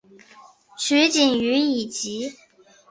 取景于以及。